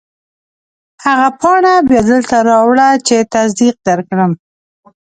هغه پاڼه بیا دلته راوړه چې تصدیق درکړم.